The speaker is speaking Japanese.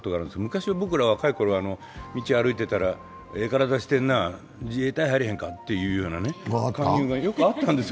昔は僕らが道歩いてたらええ体してんな、自衛隊入らへんかという勧誘がよくあったんですよ。